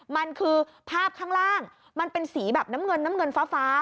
มันคือภาพข้างล่างมันเป็นสีแบบน้ำเงินน้ำเงินฟ้า